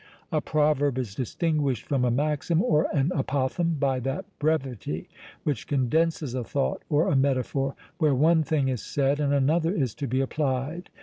A proverb is distinguished from a maxim or an apophthegm by that brevity which condenses a thought or a metaphor, where one thing is said and another is to be applied.